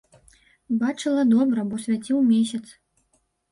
Бачыла добра, бо свяціў месяц.